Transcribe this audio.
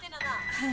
はい。